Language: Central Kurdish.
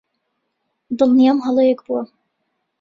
دڵنیام هەڵەیەک بووە.